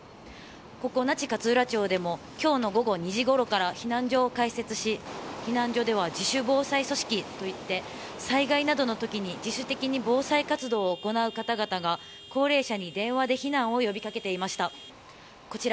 ここ、那智勝浦町でも今日の午後２時ごろから避難所を開設し避難所では自主防災組織といって災害などの時に自主的に防災活動を行う方々が高齢者に電話で避難を呼び掛けていました。